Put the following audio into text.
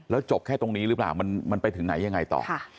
แล้วจบแค่ตรงนี้หรือเปล่ามันไปถึงไหนยังไงต่อ